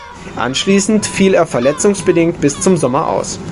Anschließend fiel er verletzungsbedingt bis zum Sommer aus.